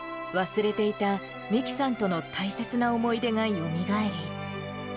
忘れていた美貴さんとの大切な思い出がよみがえり。